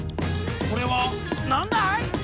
これはなんだい？